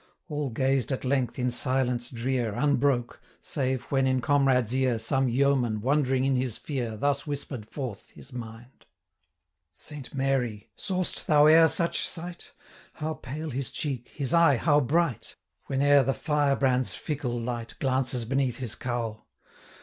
All gazed at length in silence drear, 95 Unbroke, save when in comrade's ear Some yeoman, wondering in his fear, Thus whispered forth his mind: 'Saint Mary! saw'st thou e'er such sight? How pale his cheek, his eye how bright, 100 Whene'er the firebrand's fickle light Glances beneath his cowl!